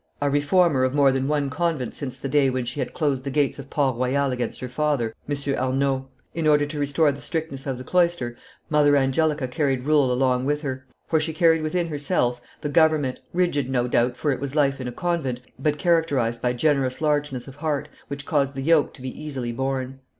A reformer of more than one convent since the day when she had closed the gates of Port Royal against her father, M. Arnauld, in order to restore the strictness of the cloister, Mother Angelica carried rule along with her, for she carried within herself the government, rigid, no doubt, for it was life in a convent, but characterized by generous largeness of heart, which caused the yoke to be easily borne.